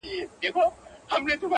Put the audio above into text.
• مچوي مو جاهلان پښې او لاسونه -